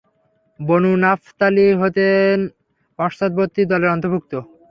বনু নাফতালী হতেন পশ্চাৎবর্তী দলে অন্তর্ভুক্ত।